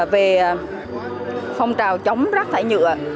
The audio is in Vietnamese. về phong trào chống rác thải nhựa